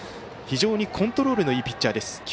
非常にコントロールのいいピッチャーです。